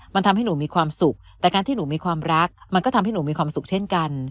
มันทำให้หนูมีความสุขแต่การที่หนูมีความรักมันก็ทำให้หนูมีความสุขเช่นกัน